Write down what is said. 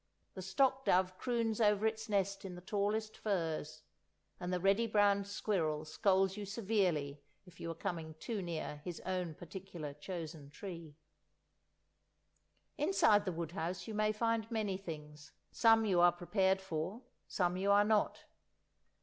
The stock dove croons over its nest in the tallest firs, and the reddy brown squirrel scolds you severely if you are coming too near his own particular chosen tree. Inside the wood house you may find many things; some you are prepared for, some you are not.